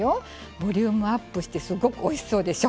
ボリュームアップしてすごくおいしそうでしょ。